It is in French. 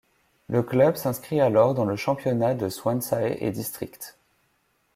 Le club s'inscrit alors dans le championnat de Swansea et District.